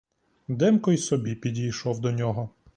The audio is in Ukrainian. Демко й собі підійшов до нього.